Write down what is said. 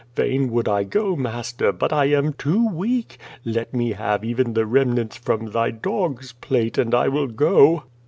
Fain would I go, master, but T am too weak. Let me have even the remnants from thy dog's plate, and I will go."